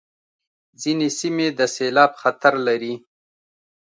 ځینې سیمې د سېلاب خطر لري.